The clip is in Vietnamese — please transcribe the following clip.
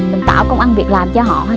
mình tạo công ăn việc làm cho họ